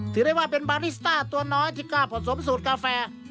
ถือได้ว่าเป็นบาริสต้าตัวน้อยที่กล้าผสมสูตรกาแฟ